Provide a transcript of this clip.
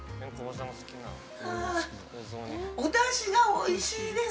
◆あ、おだしがおいしいです。